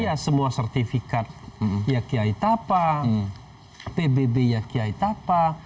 ya semua sertifikat yaki aitapa pbb yaki aitapa